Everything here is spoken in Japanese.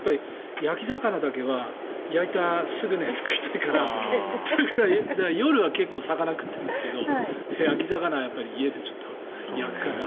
焼き魚だけは焼いてすぐのやつを食いたいから夜は結構魚を食ってるんですけど焼き魚を家でちょっと焼くかな。